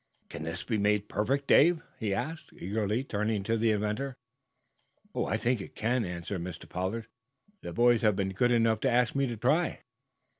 "Can this be made perfect, Dave?" he asked, eagerly, turning to the inventor. "I think it can," answered Mr. Pollard. "The boys have been good enough to ask me to try."